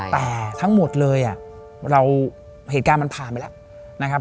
แต่ทั้งหมดเลยเหตุการณ์มันผ่านไปแล้วนะครับ